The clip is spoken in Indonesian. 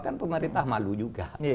kan pemerintah malu juga